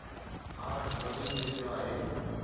Hertz وڌيڪ لکيو آهي